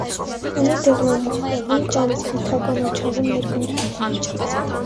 Ունի դեղնամոխրավուն կամ ձիթականաչավուն մերկ ընձյուղներ։